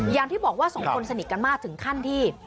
อย่างที่บอกว่าสองคนสนิทกันมากถึงขั้นที่